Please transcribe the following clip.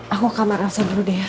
aku ke kamar elsa dulu deh ya